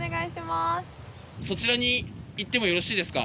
そちらに行ってもよろしいですか？